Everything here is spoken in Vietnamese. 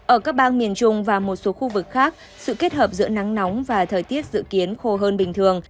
ở các bang miền trung và một số khu vực khác sự kết hợp giữa nắng nóng và thời tiết dự kiến khô hơn bình thường